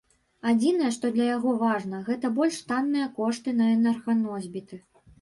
Адзінае, што для яго важна, гэта больш танныя кошты на энерганосьбіты.